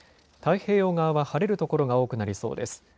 太平洋側は晴れる所が多くなりそうです。